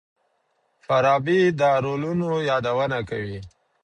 فارابي د رولونو يادونه کوي.